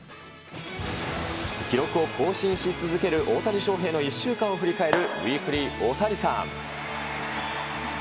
記録を更新し続ける大谷翔平の１週間を振り返る、ウィークリーオオタニサン。